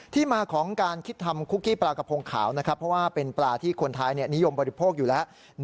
ที่มาของการคิดทำคุกกี้ปลากระพงขาวนะครับเพราะว่าเป็นปลาที่คนไทยนิยมบริโภคอยู่แล้ว